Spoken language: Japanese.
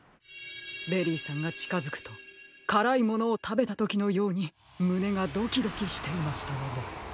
ベリーさんがちかづくとからいものをたべたときのようにむねがドキドキしていましたので。